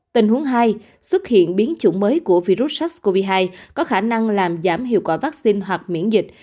tình huống hai xuất hiện biến chủng mới của virus sars cov hai có khả năng làm giảm hiệu quả vaccine hoặc miễn dịch